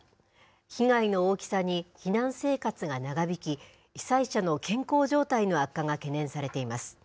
被害の大きさに、避難生活が長引き、被災者の健康状態の悪化が懸念されています。